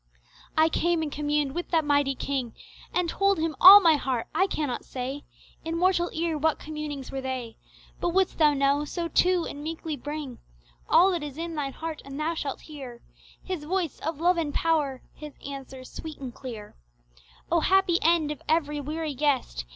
I came and communed with that mighty King And told Him all my heart, I cannot say In mortal ear what communings were they But wouldst thou know, So too, and meekly bring All that is in thine heart and thou shalt hear His voice of love and power His answers sweet and clear O happy end of every weary guest!